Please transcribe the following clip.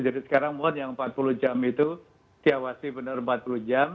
jadi sekarang mohon yang empat puluh jam itu diawasi benar empat puluh jam